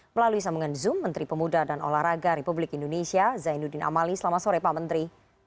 melalui sambungan zoom menteri pemuda dan olahraga republik indonesia zainuddin amali selamat sore pak menteri